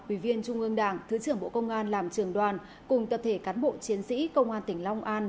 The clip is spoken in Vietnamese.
ủy viên trung ương đảng thứ trưởng bộ công an làm trường đoàn cùng tập thể cán bộ chiến sĩ công an tỉnh long an